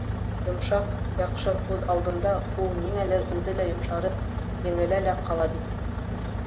Йомшаҡ, яҡшы һүҙ алдында ул ниңәлер үҙе лә йомшарып, еңелә лә ҡала бит.